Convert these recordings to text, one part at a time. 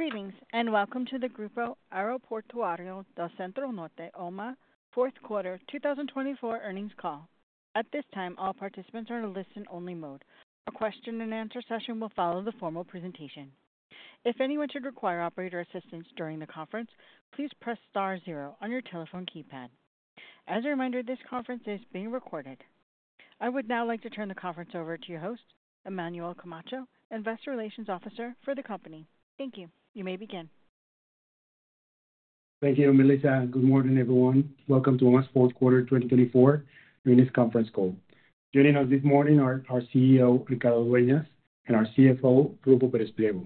Greetings and welcome to the Grupo Aeroportuario del Centro Norte OMA 4th Quarter 2024 Earnings Call. At this time, all participants are in a listen-only mode. Our question-and-answer session will follow the formal presentation. If anyone should require operator assistance during the conference, please press star zero on your telephone keypad. As a reminder, this conference is being recorded. I would now like to turn the conference over to your host, Emmanuel Camacho, Investor Relations Officer for the company. Thank you. You may begin. Thank you, Melissa. Good morning, everyone. Welcome to OMA's 4th Quarter 2024 earnings conference call. Joining us this morning are our CEO, Ricardo Dueñas, and our CFO, Ruffo Pérez Pliego.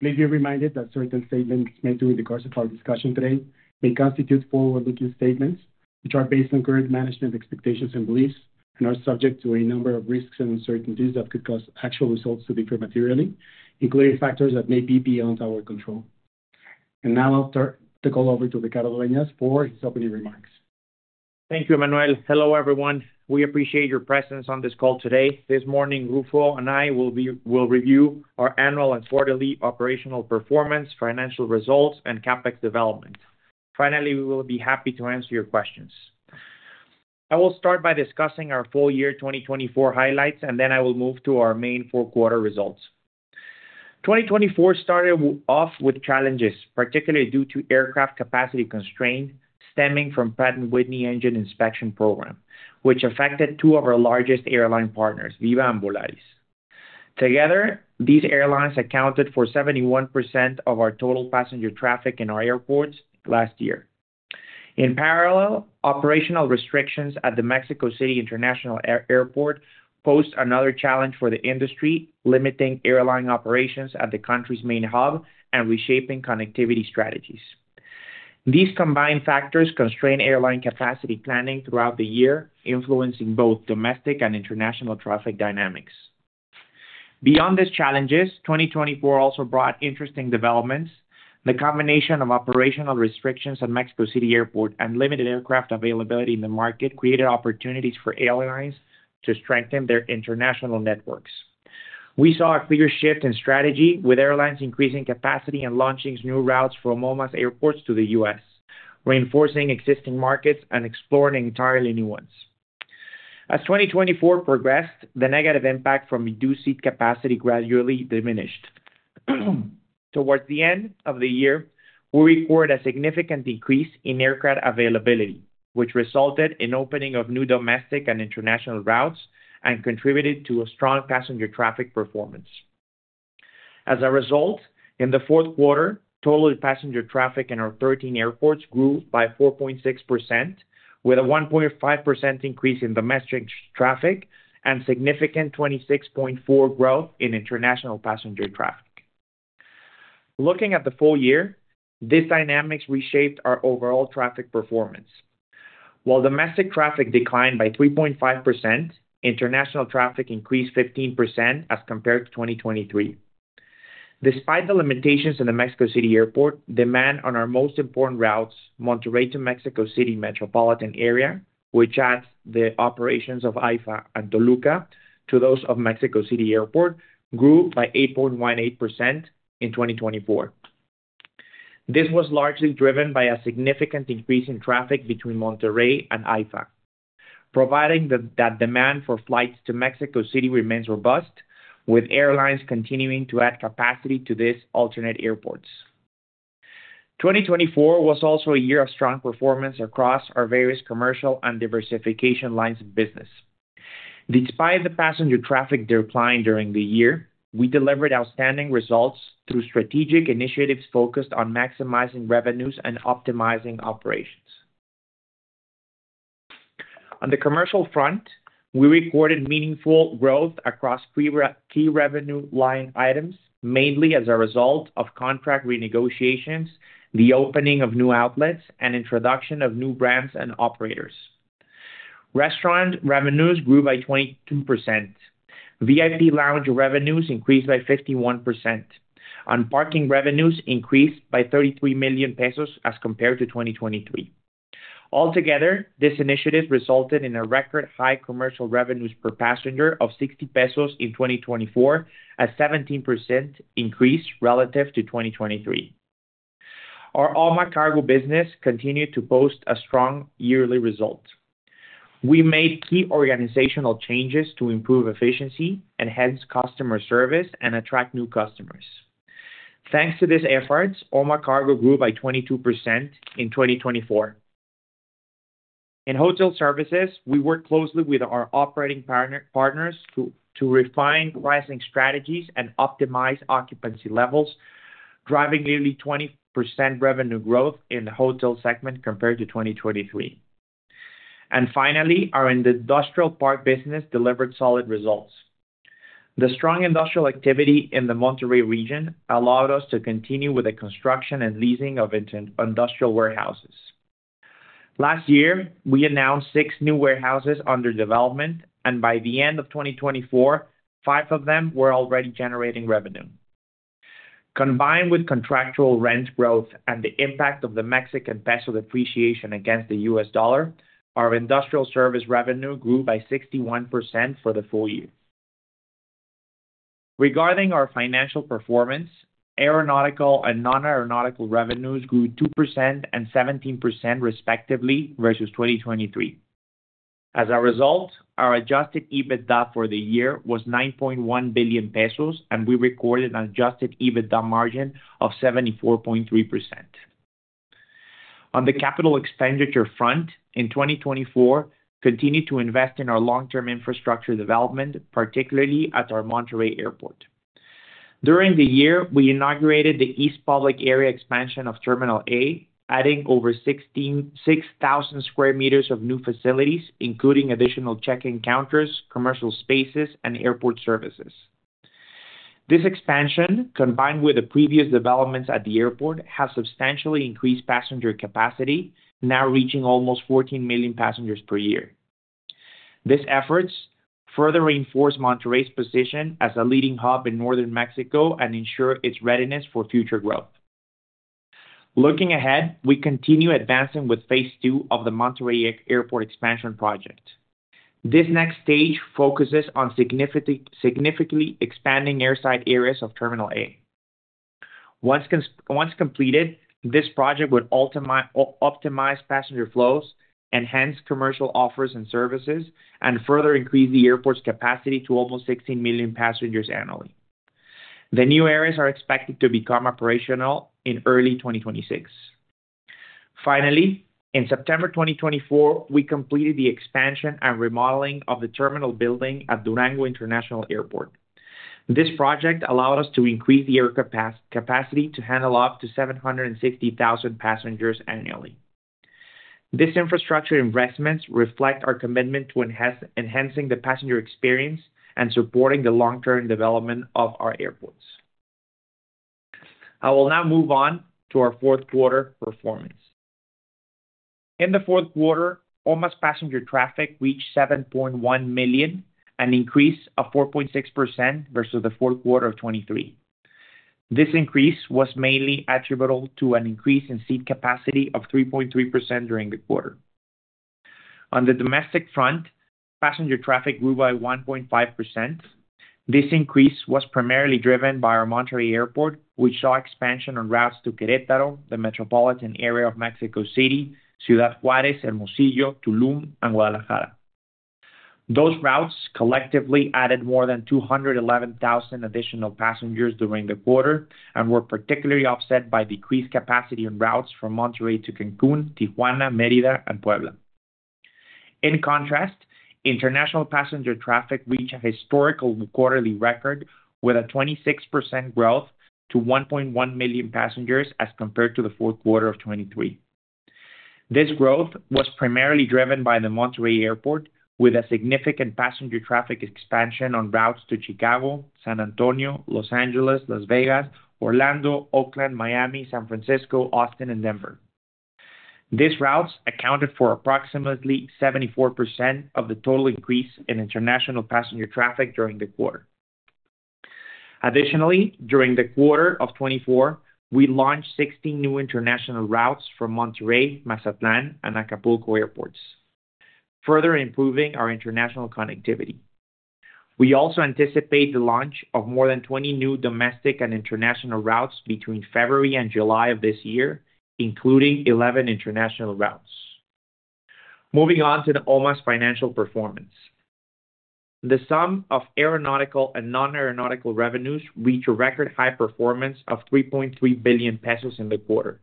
Please be reminded that certain statements made during the course of our discussion today may constitute forward-looking statements which are based on current management expectations and beliefs and are subject to a number of risks and uncertainties that could cause actual results to differ materially, including factors that may be beyond our control, and now I'll turn the call over to Ricardo Dueñas for his opening remarks. Thank you, Emmanuel. Hello, everyone. We appreciate your presence on this call today. This morning, Ruffo and I will review our annual and quarterly operational performance, financial results, and CapEx development. Finally, we will be happy to answer your questions. I will start by discussing our full-year 2024 highlights, and then I will move to our main fourth-quarter results. 2024 started off with challenges, particularly due to aircraft capacity constraints stemming from the Pratt & Whitney engine inspection program, which affected two of our largest airline partners, Viva and Volaris. Together, these airlines accounted for 71% of our total passenger traffic in our airports last year. In parallel, operational restrictions at the Mexico City International Airport posed another challenge for the industry, limiting airline operations at the country's main hub and reshaping connectivity strategies. These combined factors constrained airline capacity planning throughout the year, influencing both domestic and international traffic dynamics. Beyond these challenges, 2024 also brought interesting developments. The combination of operational restrictions at Mexico City Airport and limited aircraft availability in the market created opportunities for airlines to strengthen their international networks. We saw a clear shift in strategy, with airlines increasing capacity and launching new routes from OMA's airports to the U.S., reinforcing existing markets and exploring entirely new ones. As 2024 progressed, the negative impact from reduced seat capacity gradually diminished. Towards the end of the year, we recorded a significant decrease in aircraft availability, which resulted in the opening of new domestic and international routes and contributed to strong passenger traffic performance. As a result, in the fourth quarter, total passenger traffic in our 13 airports grew by 4.6%, with a 1.5% increase in domestic traffic and a significant 26.4% growth in international passenger traffic. Looking at the full year, these dynamics reshaped our overall traffic performance. While domestic traffic declined by 3.5%, international traffic increased 15% as compared to 2023. Despite the limitations in the Mexico City Airport, demand on our most important routes, Monterrey to Mexico City Metropolitan Area, which adds the operations of AIFA and Toluca to those of Mexico City Airport, grew by 8.18% in 2024. This was largely driven by a significant increase in traffic between Monterrey and AIFA, providing that demand for flights to Mexico City remains robust, with airlines continuing to add capacity to these alternate airports. 2024 was also a year of strong performance across our various commercial and diversification lines of business. Despite the passenger traffic decline during the year, we delivered outstanding results through strategic initiatives focused on maximizing revenues and optimizing operations. On the commercial front, we recorded meaningful growth across key revenue line items, mainly as a result of contract renegotiations, the opening of new outlets, and the introduction of new brands and operators. Restaurant revenues grew by 22%. VIP lounge revenues increased by 51%. Parking revenues increased by 33 million pesos as compared to 2023. Altogether, this initiative resulted in a record high commercial revenues per passenger of 60 pesos in 2024, a 17% increase relative to 2023. Our OMA Carga business continued to post a strong yearly result. We made key organizational changes to improve efficiency and hence customer service and attract new customers. Thanks to these efforts, OMA Carga grew by 22% in 2024. In hotel services, we worked closely with our operating partners to refine pricing strategies and optimize occupancy levels, driving nearly 20% revenue growth in the hotel segment compared to 2023. And finally, our industrial park business delivered solid results. The strong industrial activity in the Monterrey region allowed us to continue with the construction and leasing of industrial warehouses. Last year, we announced six new warehouses under development, and by the end of 2024, five of them were already generating revenue. Combined with contractual rent growth and the impact of the Mexican peso depreciation against the US dollar, our industrial service revenue grew by 61% for the full year. Regarding our financial performance, aeronautical and non-aeronautical revenues grew 2% and 17% respectively versus 2023. As a result, our adjusted EBITDA for the year was 9.1 billion pesos, and we recorded an adjusted EBITDA margin of 74.3%. On the capital expenditure front, in 2024, we continued to invest in our long-term infrastructure development, particularly at our Monterrey Airport. During the year, we inaugurated the East Public Area expansion of Terminal A, adding over 6,000 square meters of new facilities, including additional check-in counters, commercial spaces, and airport services. This expansion, combined with the previous developments at the airport, has substantially increased passenger capacity, now reaching almost 14 million passengers per year. These efforts further reinforce Monterrey's position as a leading hub in northern Mexico and ensure its readiness for future growth. Looking ahead, we continue advancing with Phase 2 of the Monterrey Airport Expansion Project. This next stage focuses on significantly expanding airside areas of Terminal A. Once completed, this project would optimize passenger flows, enhance commercial offers and services, and further increase the airport's capacity to almost 16 million passengers annually. The new areas are expected to become operational in early 2026. Finally, in September 2024, we completed the expansion and remodeling of the terminal building at Durango International Airport. This project allowed us to increase the air capacity to handle up to 760,000 passengers annually. These infrastructure investments reflect our commitment to enhancing the passenger experience and supporting the long-term development of our airports. I will now move on to our fourth quarter performance. In the fourth quarter, OMA's passenger traffic reached 7.1 million and increased by 4.6% versus the fourth quarter of 2023. This increase was mainly attributable to an increase in seat capacity of 3.3% during the quarter. On the domestic front, passenger traffic grew by 1.5%. This increase was primarily driven by our Monterrey airport, which saw expansion on routes to Querétaro, the metropolitan area of Mexico City, Ciudad Juárez, Hermosillo, Tulum, and Guadalajara. Those routes collectively added more than 211,000 additional passengers during the quarter and were particularly offset by decreased capacity on routes from Monterrey to Cancún, Tijuana, Mérida, and Puebla. In contrast, international passenger traffic reached a historical quarterly record, with a 26% growth to 1.1 million passengers as compared to the fourth quarter of 2023. This growth was primarily driven by the Monterrey airport, with significant passenger traffic expansion on routes to Chicago, San Antonio, Los Angeles, Las Vegas, Orlando, Oakland, Miami, San Francisco, Austin, and Denver. These routes accounted for approximately 74% of the total increase in international passenger traffic during the quarter. Additionally, during the quarter of 2024, we launched 16 new international routes from Monterrey, Mazatlán, and Acapulco airports, further improving our international connectivity. We also anticipate the launch of more than 20 new domestic and international routes between February and July of this year, including 11 international routes. Moving on to OMA's financial performance, the sum of aeronautical and non-aeronautical revenues reached a record high performance of 3.3 billion pesos in the quarter.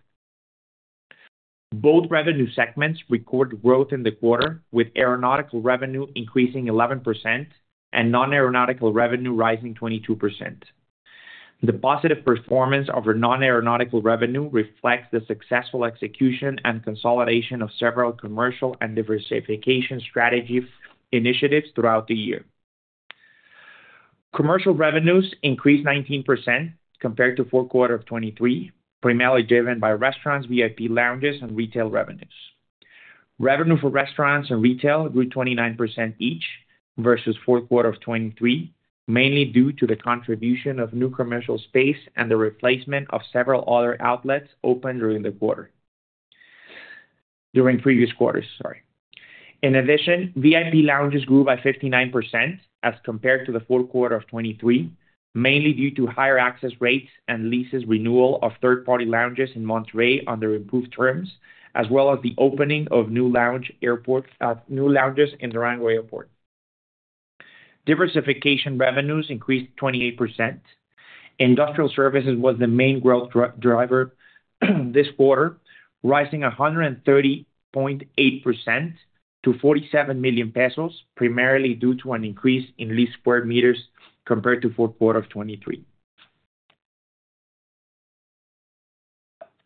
Both revenue segments recorded growth in the quarter, with aeronautical revenue increasing 11% and non-aeronautical revenue rising 22%. The positive performance of our non-aeronautical revenue reflects the successful execution and consolidation of several commercial and diversification strategy initiatives throughout the year. Commercial revenues increased 19% compared to the fourth quarter of 2023, primarily driven by restaurants, VIP lounges, and retail revenues. Revenue for restaurants and retail grew 29% each versus the fourth quarter of 2023, mainly due to the contribution of new commercial space and the replacement of several other outlets opened during previous quarters. In addition, VIP lounges grew by 59% as compared to the fourth quarter of 2023, mainly due to higher access rates and leases renewal of third-party lounges in Monterrey under improved terms, as well as the opening of new lounges in Durango Airport. Diversification revenues increased 28%. Industrial services was the main growth driver this quarter, rising 130.8% to 47 million pesos, primarily due to an increase in leased square meters compared to the fourth quarter of 2023.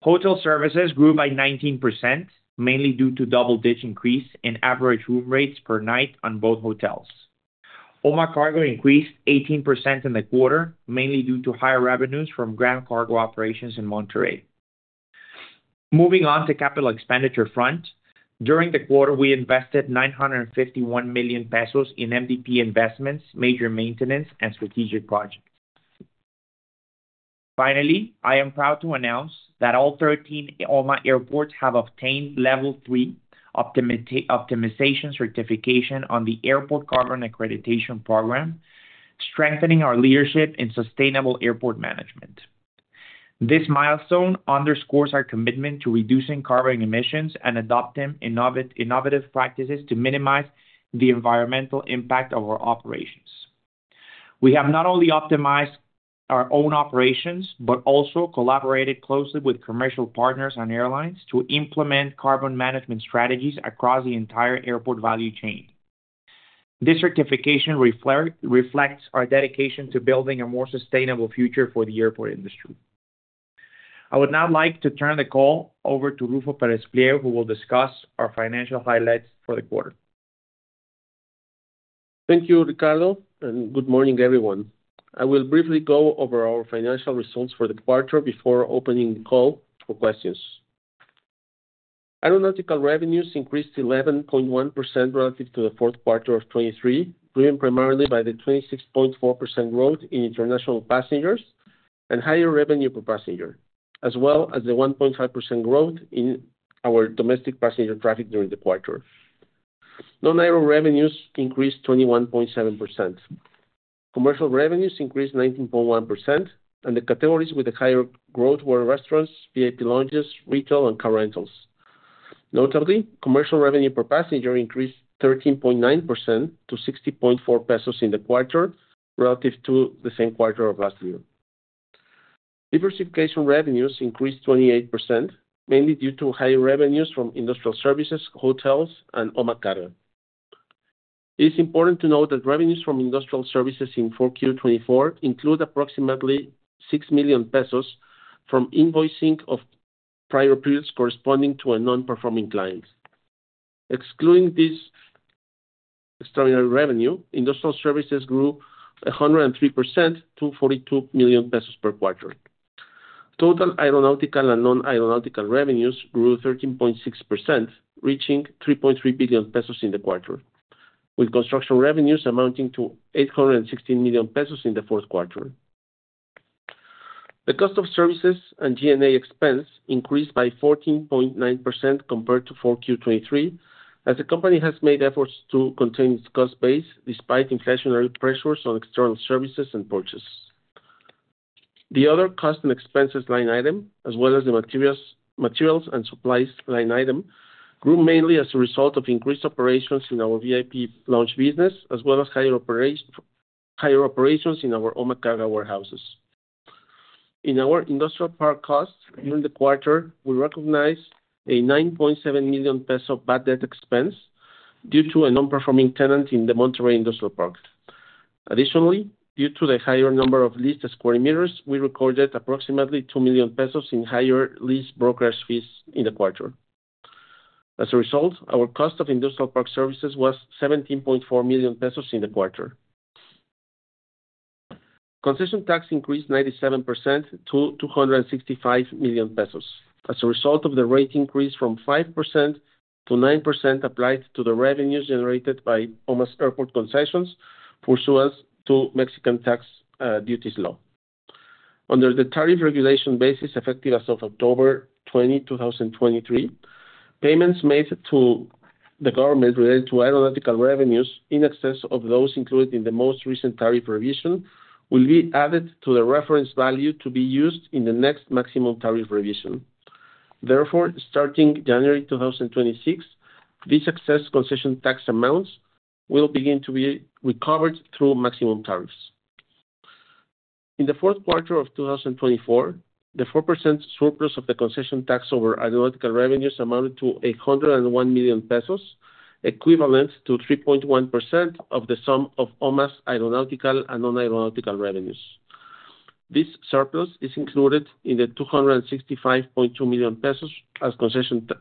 Hotel services grew by 19%, mainly due to a double-digit increase in average room rates per night on both hotels. OMA Carga increased 18% in the quarter, mainly due to higher revenues from ground cargo operations in Monterrey. Moving on to the capital expenditure front, during the quarter, we invested 951 million pesos in MDP investments, major maintenance, and strategic projects. Finally, I am proud to announce that all 13 OMA airports have obtained Level 3 Optimization certification on the Airport Carbon Accreditation Program, strengthening our leadership in sustainable airport management. This milestone underscores our commitment to reducing carbon emissions and adopting innovative practices to minimize the environmental impact of our operations. We have not only optimized our own operations but also collaborated closely with commercial partners and airlines to implement carbon management strategies across the entire airport value chain. This certification reflects our dedication to building a more sustainable future for the airport industry. I would now like to turn the call over to Ruffo Pérez Pliego, who will discuss our financial highlights for the quarter. Thank you, Ricardo, and good morning, everyone. I will briefly go over our financial results for the quarter before opening the call for questions. Aeronautical revenues increased 11.1% relative to the fourth quarter of 2023, driven primarily by the 26.4% growth in international passengers and higher revenue per passenger, as well as the 1.5% growth in our domestic passenger traffic during the quarter. Non-aeronautical revenues increased 21.7%. Commercial revenues increased 19.1%, and the categories with the higher growth were restaurants, VIP lounges, retail, and car rentals. Notably, commercial revenue per passenger increased 13.9% to 60.4 pesos in the quarter relative to the same quarter of last year. Diversification revenues increased 28%, mainly due to higher revenues from industrial services, hotels, and OMA Carga. It is important to note that revenues from industrial services in Q4 2024 include approximately 6 million pesos from invoicing of prior periods corresponding to non-performing clients. Excluding this extraordinary revenue, industrial services grew 103% to 42 million pesos per quarter. Total aeronautical and non-aeronautical revenues grew 13.6%, reaching 3.3 billion pesos in the quarter, with construction revenues amounting to 816 million pesos in the fourth quarter. The cost of services and G&A expense increased by 14.9% compared to Q4 2023, as the company has made efforts to contain its cost base despite inflationary pressures on external services and purchases. The other cost and expenses line item, as well as the materials and supplies line item, grew mainly as a result of increased operations in our VIP lounge business, as well as higher operations in our OMA Carga warehouses. In our industrial park costs during the quarter, we recognized a 9.7 million peso bad debt expense due to a non-performing tenant in the Monterrey Industrial Park. Additionally, due to the higher number of leased square meters, we recorded approximately 2 million pesos in higher lease brokerage fees in the quarter. As a result, our cost of industrial park services was 17.4 million pesos in the quarter. Concession tax increased 97% to 265 million pesos as a result of the rate increase from 5%- 9% applied to the revenues generated by OMA's airport concessions pursuant to Mexican tax duties law. Under the tariff regulation basis effective as of October 20, 2023, payments made to the government related to aeronautical revenues in excess of those included in the most recent tariff revision will be added to the reference value to be used in the next maximum tariff revision. Therefore, starting January 2026, these excess concession tax amounts will begin to be recovered through maximum tariffs. In the fourth quarter of 2024, the 4% surplus of the concession tax over aeronautical revenues amounted to 101 million pesos, equivalent to 3.1% of the sum of OMA's aeronautical and non-aeronautical revenues. This surplus is included in the 265.2 million pesos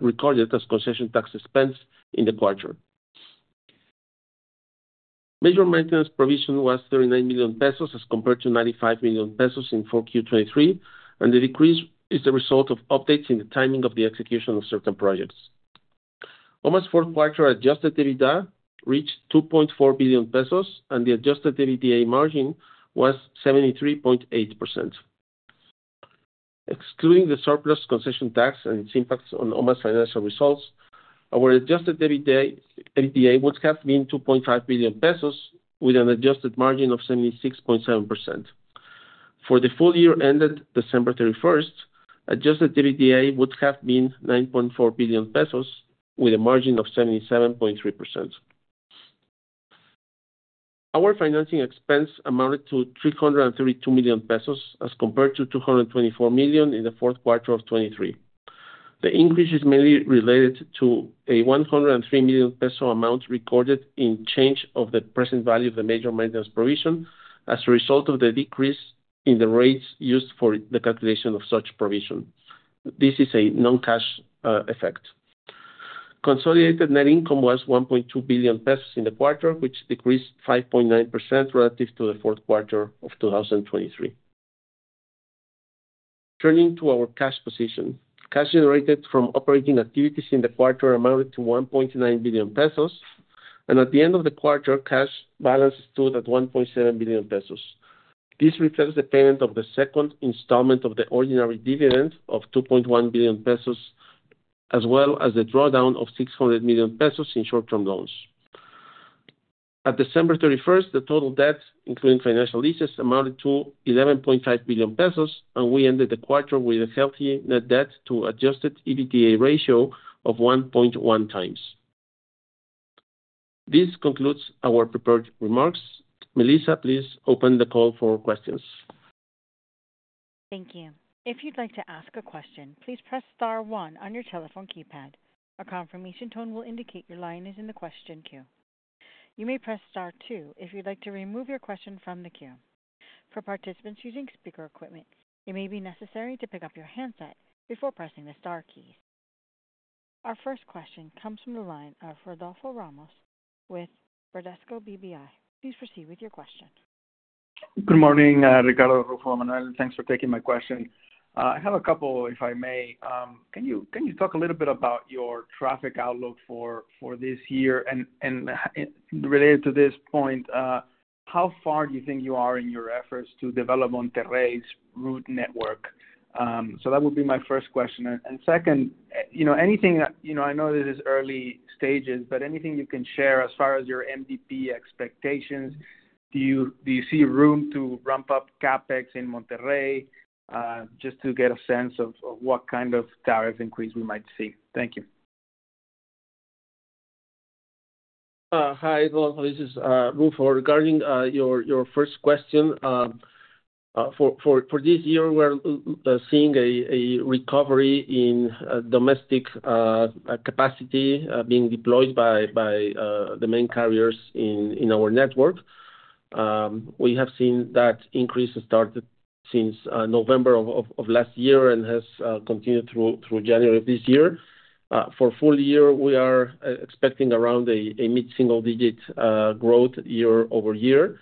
recorded as concession tax expense in the quarter. Major maintenance provision was 39 million pesos as compared to 95 million pesos in Q4 2023, and the decrease is the result of updates in the timing of the execution of certain projects. OMA's fourth quarter adjusted EBITDA reached 2.4 billion pesos, and the adjusted EBITDA margin was 73.8%. Excluding the surplus concession tax and its impacts on OMA's financial results, our adjusted EBITDA would have been 2.5 billion pesos, with an adjusted margin of 76.7%. For the full year ended December 31, adjusted EBITDA would have been 9.4 billion pesos, with a margin of 77.3%. Our financing expense amounted to 332 million pesos as compared to 224 million in the fourth quarter of 2023. The increase is mainly related to an 103 million peso amount recorded in change of the present value of the major maintenance provision as a result of the decrease in the rates used for the calculation of such provision. This is a non-cash effect. Consolidated net income was 1.2 billion pesos in the quarter, which decreased 5.9% relative to the fourth quarter of 2023. Turning to our cash position, cash generated from operating activities in the quarter amounted to 1.9 billion pesos, and at the end of the quarter, cash balance stood at 1.7 billion pesos. This reflects the payment of the second installment of the ordinary dividend of 2.1 billion pesos, as well as the drawdown of 600 million pesos in short-term loans. At December 31, the total debt, including financial leases, amounted to 11.5 billion pesos, and we ended the quarter with a healthy net debt to Adjusted EBITDA ratio of 1.1x. This concludes our prepared remarks. Melissa, please open the call for questions. Thank you. If you'd like to ask a question, please press star one on your telephone keypad. A confirmation tone will indicate your line is in the question queue. You may press star two if you'd like to remove your question from the queue. For participants using speaker equipment, it may be necessary to pick up your handset before pressing the star keys. Our first question comes from the line of Rodolfo Ramos with Bradesco BBI. Please proceed with your question. Good morning, Ricardo Dueñas. Thanks for taking my question. I have a couple, if I may. Can you talk a little bit about your traffic outlook for this year? And related to this point, how far do you think you are in your efforts to develop Monterrey's route network? So that would be my first question. And second, anything. I know this is early stages. But anything you can share as far as your MDP expectations? Do you see room to ramp up CapEx in Monterrey just to get a sense of what kind of tariff increase we might see? Thank you. Hi, Rodolfo. This is Ruffo. Regarding your first question, for this year, we're seeing a recovery in domestic capacity being deployed by the main carriers in our network. We have seen that increase started since November of last year and has continued through January of this year. For the full year, we are expecting around a mid-single-digit growth year-over-year.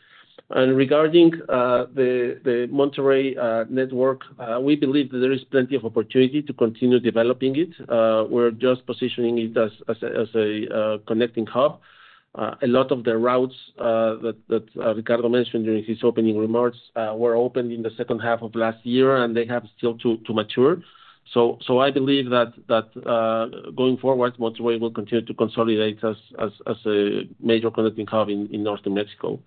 Regarding the Monterrey network, we believe that there is plenty of opportunity to continue developing it. We're just positioning it as a connecting hub. A lot of the routes that Ricardo mentioned during his opening remarks were opened in the second half of last year, and they have still to mature. I believe that going forward, Monterrey will continue to consolidate as a major connecting hub in North Mexico.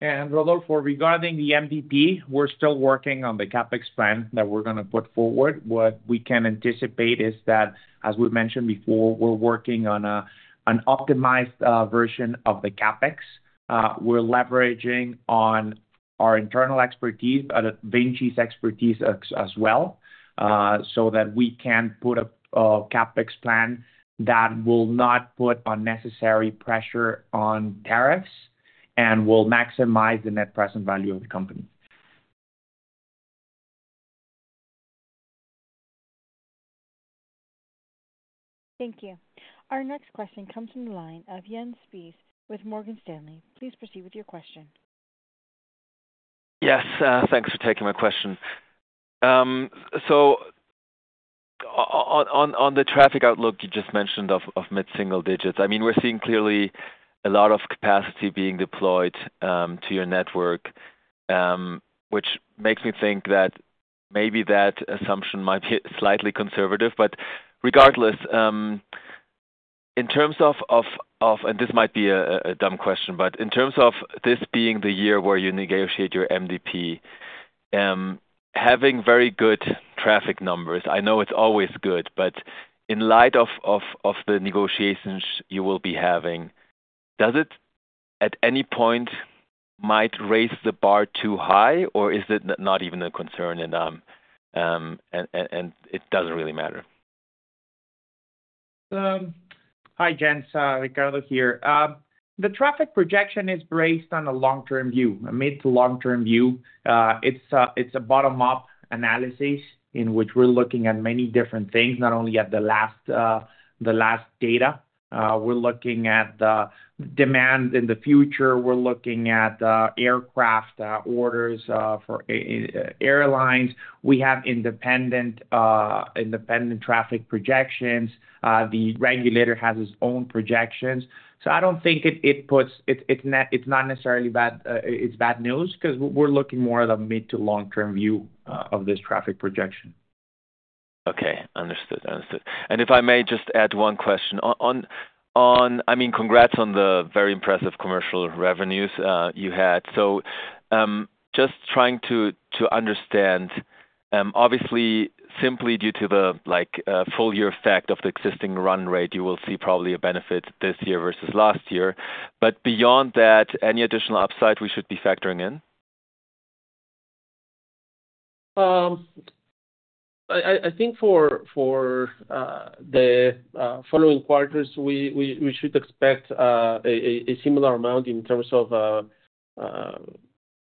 Rodolfo, regarding the MDP, we're still working on the CapEx plan that we're going to put forward. What we can anticipate is that, as we mentioned before, we're working on an optimized version of the CapEx. We're leveraging on our internal expertise, VINCI 's expertise as well, so that we can put a CapEx plan that will not put unnecessary pressure on tariffs and will maximize the net present value of the company. Thank you. Our next question comes from the line of Jens Spiess with Morgan Stanley. Please proceed with your question. Yes. Thanks for taking my question. So on the traffic outlook you just mentioned of mid-single digits, I mean, we're seeing clearly a lot of capacity being deployed to your network, which makes me think that maybe that assumption might be slightly conservative. But regardless, in terms of—and this might be a dumb question—but in terms of this being the year where you negotiate your MDP, having very good traffic numbers, I know it's always good, but in light of the negotiations you will be having, does it at any point might raise the bar too high, or is it not even a concern and it doesn't really matter? Hi, Jens. Ricardo here. The traffic projection is based on a long-term view, a mid-to-long-term view. It's a bottom-up analysis in which we're looking at many different things, not only at the last data. We're looking at the demand in the future. We're looking at aircraft orders for airlines. We have independent traffic projections. The regulator has its own projections. So I don't think it's not necessarily bad news because we're looking more at a mid-to-long-term view of this traffic projection. Okay. Understood. And if I may just add one question. I mean, congrats on the very impressive commercial revenues you had. So just trying to understand, obviously, simply due to the full-year effect of the existing run rate, you will see probably a benefit this year versus last year. But beyond that, any additional upside we should be factoring in? I think for the following quarters, we should expect a similar amount in terms of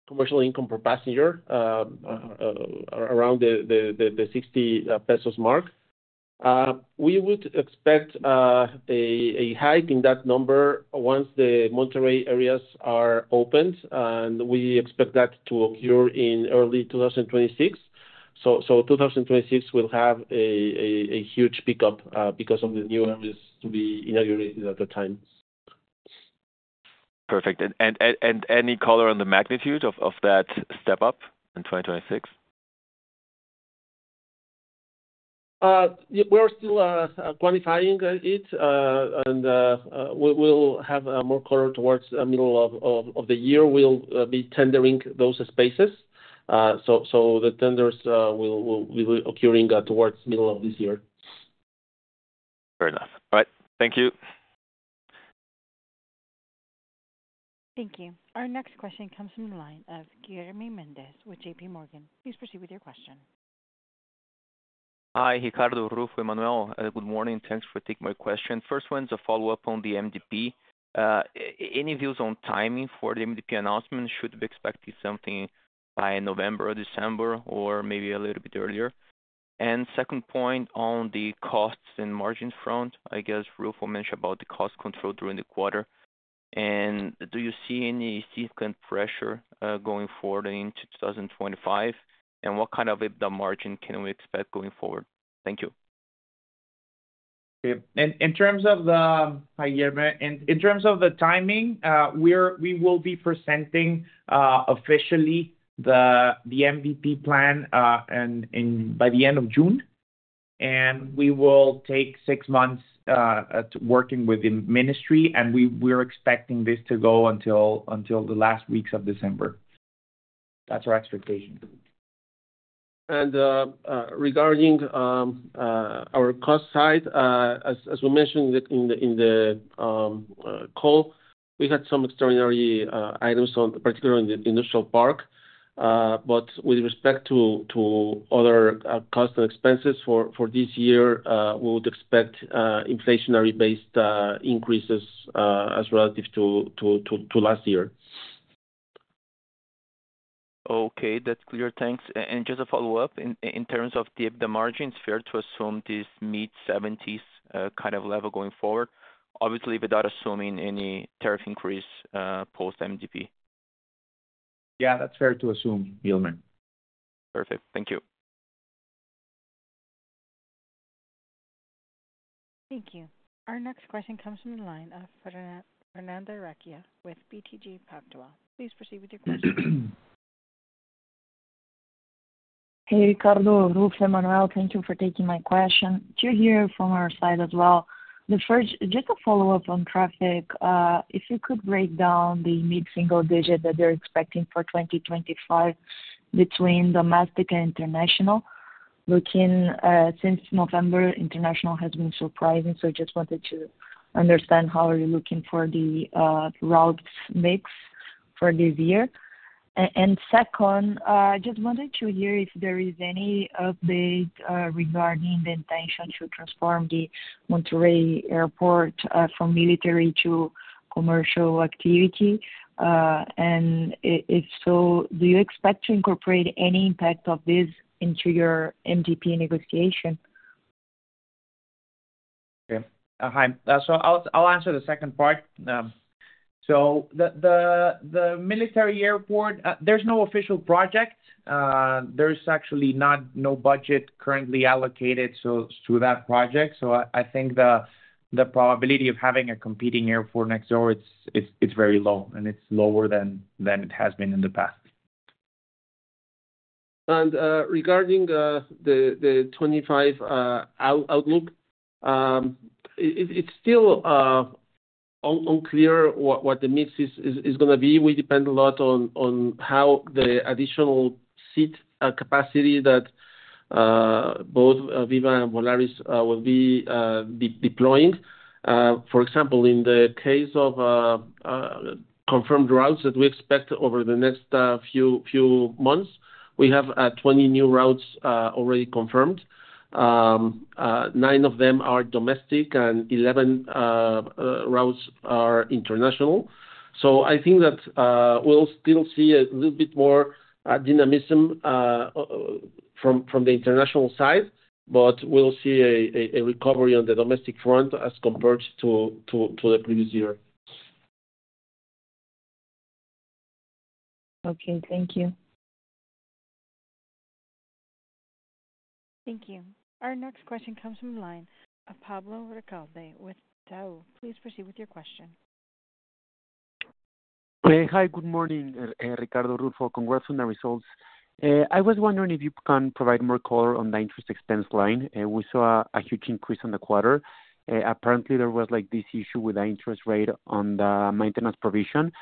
commercial income per passenger around the 60 pesos mark. We would expect a hike in that number once the Monterrey areas are opened, and we expect that to occur in early 2026. So 2026 will have a huge pickup because of the new areas to be inaugurated at that time. Perfect. And any color on the magnitude of that step up in 2026? We're still quantifying it, and we'll have more color towards the middle of the year. We'll be tendering those spaces. So the tenders will be occurring towards the middle of this year. Fair enough. All right. Thank you. Thank you. Our next question comes from the line of Guillermo Méndez with JPMorgan. Please proceed with your question. Hi, Ricardo Dueñas. Good morning. Thanks for taking my question. First one is a follow-up on the MDP. Any views on timing for the MDP announcement? Should we expect something by November or December or maybe a little bit earlier? And second point on the costs and margins front, I guess Ruffo mentioned about the cost control during the quarter. And do you see any significant pressure going forward into 2025? And what kind of EBITDA margin can we expect going forward? Thank you. In terms of the, hi, Guillermo. In terms of the timing, we will be presenting officially the MDP plan by the end of June, and we will take six months working with the ministry, and we're expecting this to go until the last weeks of December. That's our expectation. And regarding our cost side, as we mentioned in the call, we had some extraordinary items, particularly in the industrial park. But with respect to other costs and expenses for this year, we would expect inflationary-based increases as relative to last year. Okay. That's clear. Thanks. And just a follow-up. In terms of the EBITDA margins, fair to assume this mid-70s kind of level going forward, obviously without assuming any tariff increase post-MDP? Yeah, that's fair to assume, Guillermo. Perfect. Thank you. Thank you. Our next question comes from the line of Fernanda Recchia with BTG Pactual. Please proceed with your question. Hey, Ricardo Dueñas and Ruffo. Thank you for taking my question. Two here from our side as well. Just a follow-up on traffic. If you could break down the mid-single digit that you're expecting for 2025 between domestic and international, looking since November, international has been surprising. So I just wanted to understand how are you looking for the routes mix for this year. And second, I just wanted to hear if there is any update regarding the intention to transform the Monterrey airport from military to commercial activity. And if so, do you expect to incorporate any impact of this into your MDP negotiation? Okay. Hi. So I'll answer the second part. So the military airport, there's no official project. There's actually no budget currently allocated to that project. So I think the probability of having a competing airport next door is very low, and it's lower than it has been in the past. And regarding the 2025 outlook, it's still unclear what the mix is going to be. We depend a lot on how the additional seat capacity that both Viva and Volaris will be deploying. For example, in the case of confirmed routes that we expect over the next few months, we have 20 new routes already confirmed. Nine of them are domestic, and 11 routes are international. So I think that we'll still see a little bit more dynamism from the international side, but we'll see a recovery on the domestic front as compared to the previous year. Okay. Thank you. Our next question comes from the line of Pablo Ricalde with Itaú. Please proceed with your question. Hi, good morning, Ricardo, Ruffo. Congrats on the results. I was wondering if you can provide more color on the interest expense line. We saw a huge increase in the quarter. Apparently, there was this issue with the interest rate on the maintenance provision.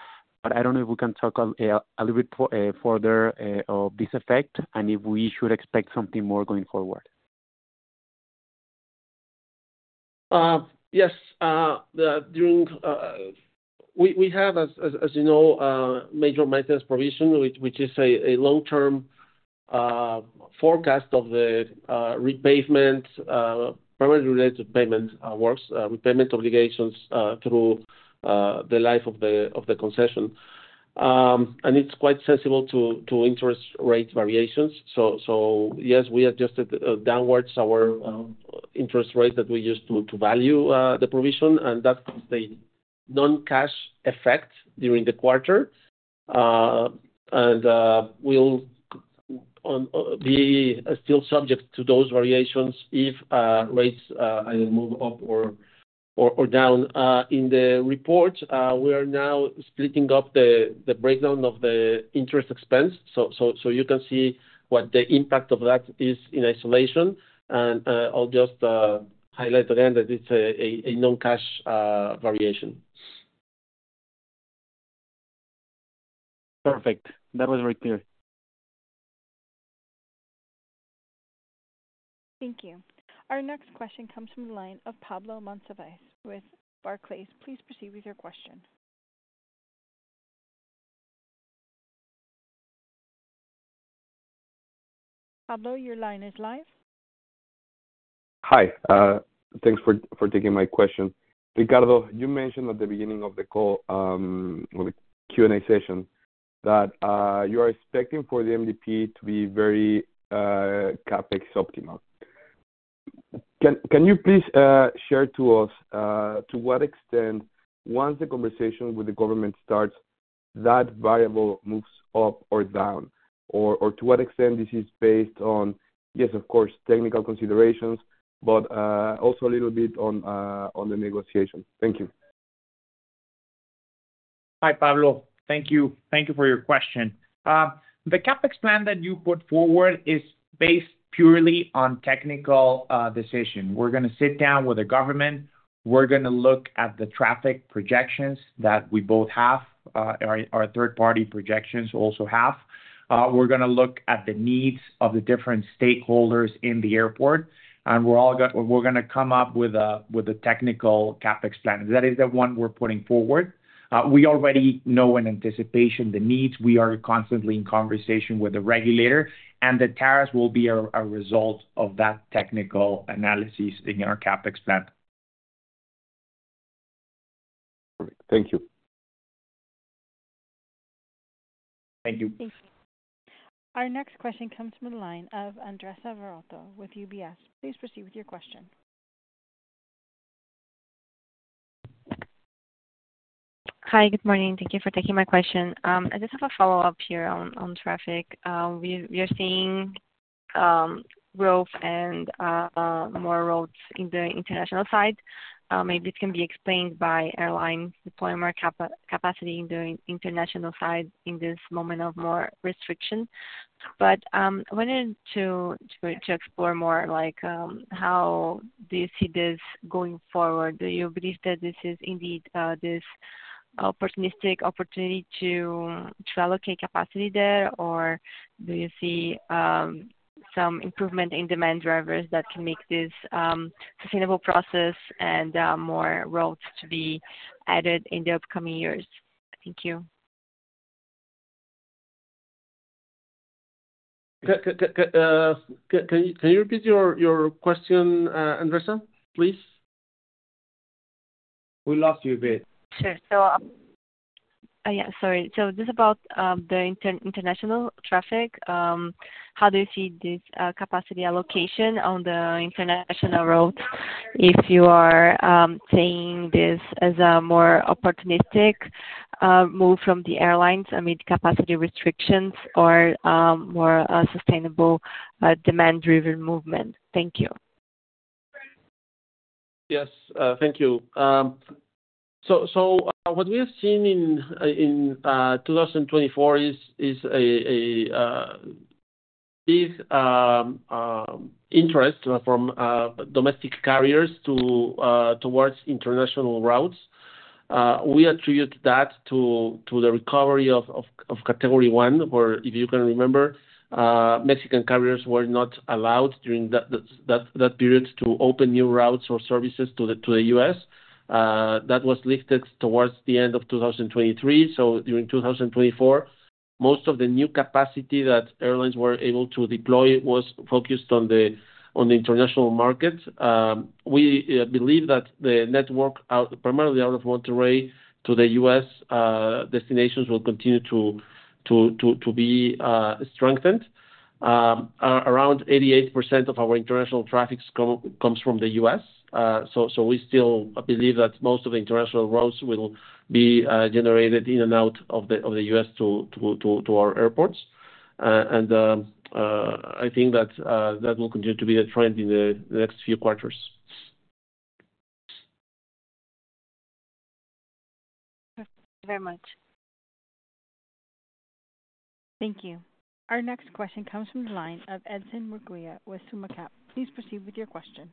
But I don't know if we can talk a little bit further of this effect and if we should expect something more going forward. Yes. We have, as you know, major maintenance provision, which is a long-term forecast of the repavement, primarily related to pavement works, repavement obligations through the life of the concession. And it's quite sensitive to interest rate variations. So yes, we adjusted downwards our interest rate that we used to value the provision, and that's the non-cash effect during the quarter. And we'll be still subject to those variations if rates either move up or down. In the report, we are now splitting up the breakdown of the interest expense. So you can see what the impact of that is in isolation. And I'll just highlight again that it's a non-cash variation. Perfect. That was very clear. Thank you. Our next question comes from the line of Pablo Monsivais with Barclays. Please proceed with your question. Pablo, your line is live. Hi. Thanks for taking my question. Ricardo, you mentioned at the beginning of the call, the Q&A session, that you are expecting for the MDP to be very CapEx optimal. Can you please share to us to what extent, once the conversation with the government starts, that variable moves up or down? Or to what extent this is based on, yes, of course, technical considerations, but also a little bit on the negotiation? Thank you. Hi, Pablo. Thank you. Thank you for your question. The CapEx plan that you put forward is based purely on technical decision. We're going to sit down with the government. We're going to look at the traffic projections that we both have, our third-party projections also have. We're going to look at the needs of the different stakeholders in the airport. And we're going to come up with a technical CapEx plan. That is the one we're putting forward. We already know in anticipation the needs. We are constantly in conversation with the regulator, and the tariffs will be a result of that technical analysis in our CapExplan. Perfect. Thank you. Thank you. Thank you. Our next question comes from the line of Andressa Varotto with UBS. Please proceed with your question. Hi, good morning. Thank you for taking my question. I just have a follow-up here on traffic. We are seeing growth and more routes in the international side. Maybe it can be explained by airline deployment capacity in the international side in this moment of more restriction. But I wanted to explore more how do you see this going forward? Do you believe that this is indeed this opportunistic opportunity to allocate capacity there, or do you see some improvement in demand drivers that can make this sustainable process and more routes to be added in the upcoming years? Thank you. Can you repeat your question, Andressa, please? We lost you a bit. Sure. So yeah, sorry. So this is about the international traffic. How do you see this capacity allocation on the international routes if you are seeing this as a more opportunistic move from the airlines amid capacity restrictions or more sustainable demand-driven movement? Thank you. Yes. Thank you. So what we have seen in 2024 is this interest from domestic carriers towards international routes. We attribute that to the recovery of Category 1, where if you can remember, Mexican carriers were not allowed during that period to open new routes or services to the U.S. That was lifted towards the end of 2023. So during 2024, most of the new capacity that airlines were able to deploy was focused on the international market. We believe that the network, primarily out of Monterrey to the U.S. destinations, will continue to be strengthened. Around 88% of our international traffic comes from the U.S. So we still believe that most of the international routes will be generated in and out of the U.S. to our airports. And I think that, that will continue to be the trend in the next few quarters. Thank you very much. Thank you. Our next question comes from the line of Edson Murguia with Suma Capital. Please proceed with your question.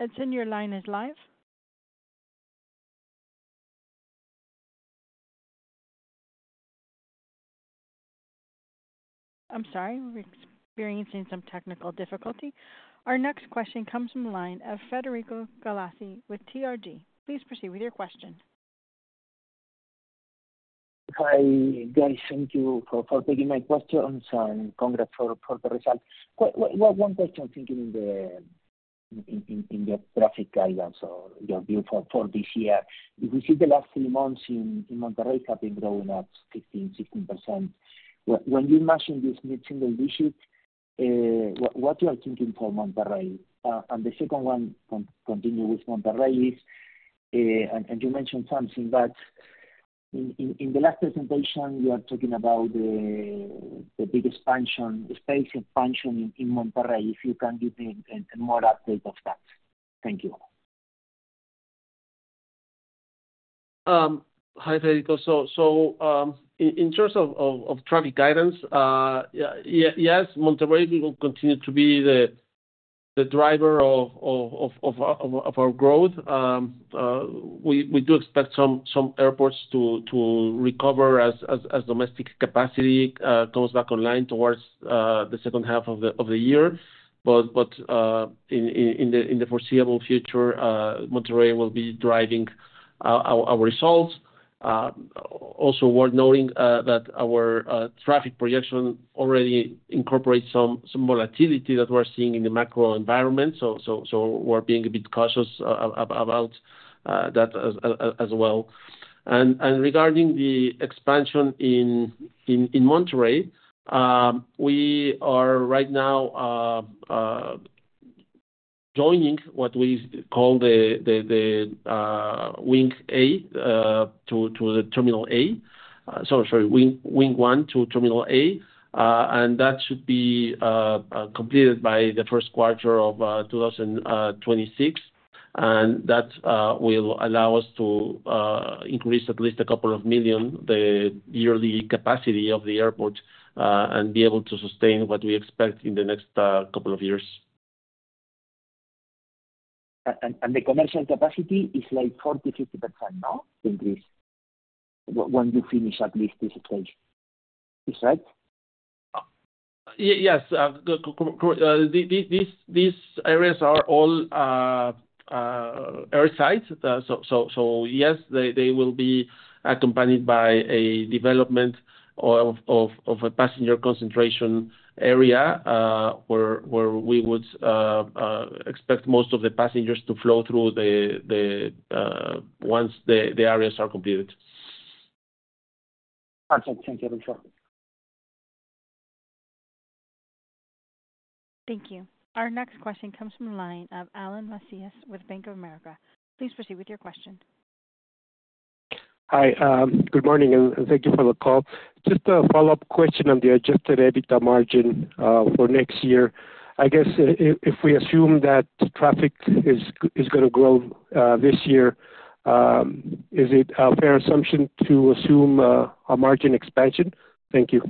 Edson, your line is live. I'm sorry. We're experiencing some technical difficulty. Our next question comes from the line of Federico Galassi with TRG. Please proceed with your question. Hi, guys. Thank you for taking my question. Congrats for the result. One question, thinking in the traffic guidance or your view for this year, if we see the last three months in Monterrey have been growing at 15%-16%, when you imagine this mid-single digit, what you are thinking for Monterrey? The second one, continue with Monterrey, is, and you mentioned something, but in the last presentation, you were talking about the big expansion, space expansion in Monterrey. If you can give me a more update of that. Thank you. Hi, Federico. In terms of traffic guidance, yes, Monterrey will continue to be the driver of our growth. We do expect some airports to recover as domestic capacity comes back online towards the second half of the year. In the foreseeable future, Monterrey will be driving our results. Also, worth noting that our traffic projection already incorporates some volatility that we're seeing in the macro environment. So we're being a bit cautious about that as well. And regarding the expansion in Monterrey, we are right now joining what we call the Wing A to the Terminal A. Sorry, Wing 1 to Terminal A. And that should be completed by the first quarter of 2026. And that will allow us to increase at least a couple of million the yearly capacity of the airport and be able to sustain what we expect in the next couple of years. And the commercial capacity is like 40%-50%, no? Increase when you finish at least this stage. Is that right? Yes. These areas are all airtight. So yes, they will be accompanied by a development of a passenger concentration area where we would expect most of the passengers to flow through once the areas are completed. Perfect. Thank you, Ricardo. Thank you. Our next question comes from the line of Alan Macías with Bank of America. Please proceed with your question. Hi. Good morning. And thank you for the call. Just a follow-up question on the Adjusted EBITDA margin for next year. I guess if we assume that traffic is going to grow this year, is it a fair assumption to assume a margin expansion? Thank you.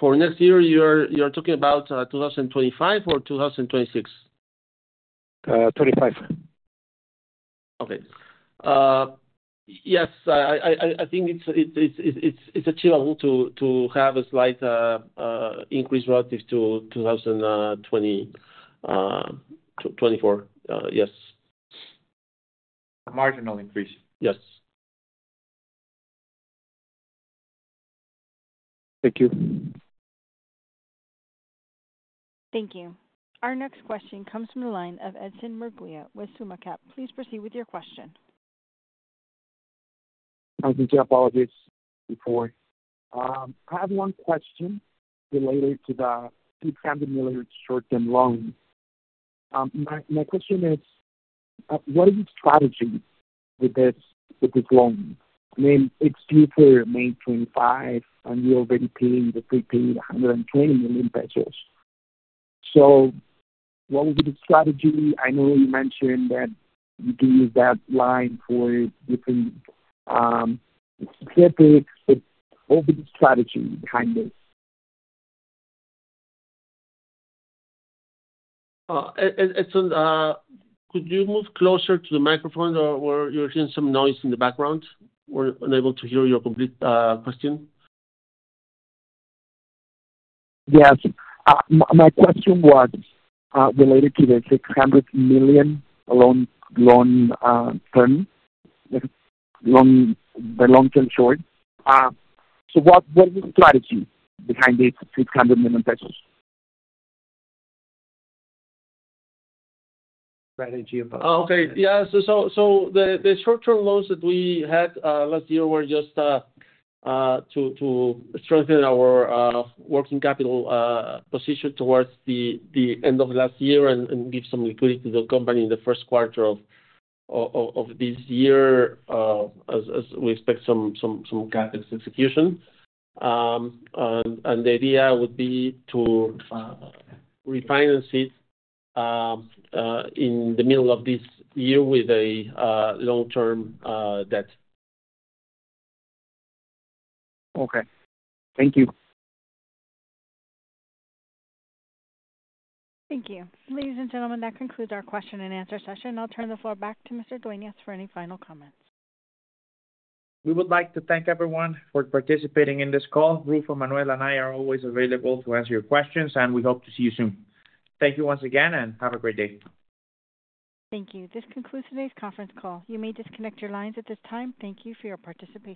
For next year, you are talking about 2025 or 2026? 2025. Okay. Yes. I think it's achievable to have a slight increase relative to 2024. Yes. A marginal increase. Yes. Thank you. Thank you. Our next question comes from the line of Edson Murguia with Suma Capital. Please proceed with your question. I'm thinking, apologies before. I have one question related to the $200 million short-term loan. My question is, what is the strategy with this loan? I mean, it's due for May 25, and you already paid the prepaid $120 million. So what would be the strategy? I know you mentioned that you do use that line for different subjects, but what would be the strategy behind this? Edson, could you move closer to the microphone? We're hearing some noise in the background. We're unable to hear your complete question. Yes. My question was related to the $600 million loan term, the long-term short. So what is the strategy behind this $600 million? Strategy about. Okay. Yeah. So the short-term loans that we had last year were just to strengthen our working capital position towards the end of last year and give some liquidity to the company in the first quarter of this year, as we expect some CapEx execution. And the idea would be to refinance it in the middle of this year with a long-term debt. Okay. Thank you. Thank you. Ladies and gentlemen, that concludes our question and answer session. I'll turn the floor back to Mr. Dueñas for any final comments. We would like to thank everyone for participating in this call. Ruffo, Emmanuel, and I are always available to answer your questions, and we hope to see you soon. Thank you once again, and have a great day. Thank you. This concludes today's conference call. You may disconnect your lines at this time. Thank you for your participation.